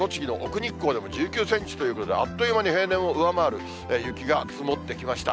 日光でも１９センチということで、あっという間に平年を上回る雪が積もってきました。